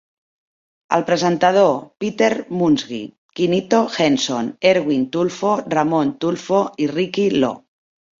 El presentador Peter Musngi, Quinito Henson, Erwin Tulfo, Ramon Tulfo i Ricky Lo.